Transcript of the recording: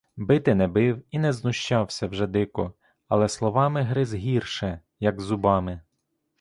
Бити не бив і не знущався вже дико, але словами гриз гірше, як зубами.